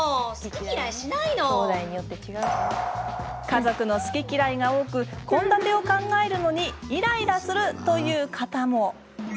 家族の好き嫌いが多く献立を考えるのにイライラするという方も。